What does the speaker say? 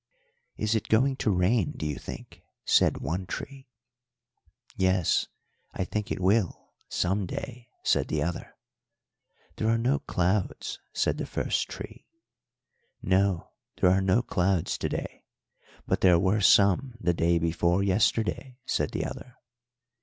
"'Is it going to rain, do you think?' said one tree. "'Yes, I think it will some day,' said the other. "'There are no clouds,' said the first tree. "'No, there are no clouds to day, but there were some the day before yesterday,' said the other.